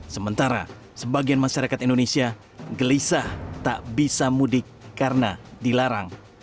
sementara sebagian masyarakat indonesia gelisah tak bisa mudik karena dilarang